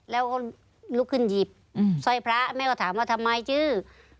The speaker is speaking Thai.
แล้วก็ลุกขึ้นหยิบสร้อยพระแม่ก็ถามว่าทำไมชื่อ